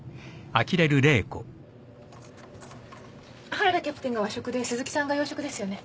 原田キャプテンが和食で鈴木さんが洋食ですよね。